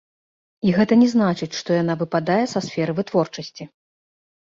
І гэта не значыць, што яна выпадае са сферы вытворчасці.